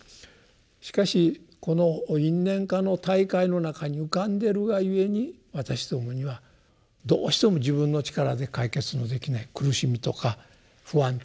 しかしこの「因・縁・果の大海」の中に浮かんでるがゆえに私どもにはどうしても自分の力で解決のできない苦しみとか不安というものが生まれてくる。